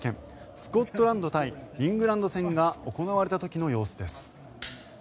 スコットランド対イングランド戦が行われた時の様子です。